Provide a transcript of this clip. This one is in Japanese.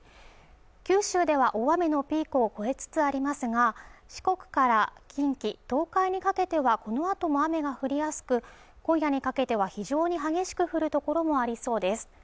九州では大雨のピークを越えつつありますが四国から近畿東海にかけてはこのあとも雨が降りやすく今夜にかけては非常に激しく降る所もありそうです